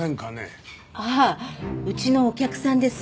ああうちのお客さんです。